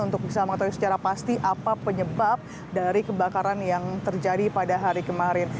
untuk bisa mengetahui secara pasti apa penyebab dari kebakaran yang terjadi pada hari kemarin